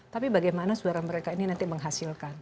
tapi bagaimana suara mereka ini nanti menghasilkan